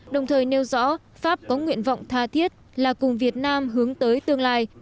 đồng thời nêu rõ pháp có nguyện vọng tha thiết là cùng việt nam hướng tới tương lai